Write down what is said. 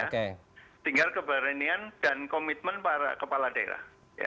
tinggal keberanian dan komitmen para kepala daerah